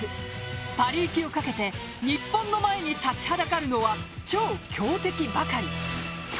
パリ行きをかけて日本の前に立ちはだかるのは超強敵ばかり。